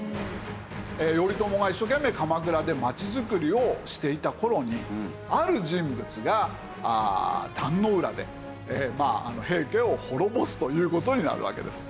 頼朝が一生懸命鎌倉で町づくりをしていた頃にある人物が壇ノ浦で平家を滅ぼすという事になるわけです。